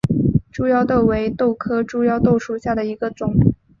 猪腰豆为豆科猪腰豆属下的一个种。